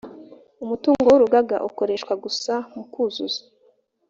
umutungo w urugaga ukoreshwa gusa mu kuzuza